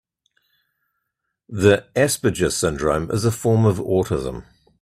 The Asperger syndrome is a form of autism.